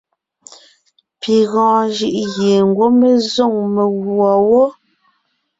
Pi gɔɔn jʉʼ gie ngwɔ́ mé zôŋ meguɔ wó.